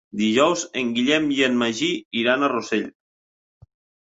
Dijous en Guillem i en Magí iran a Rossell.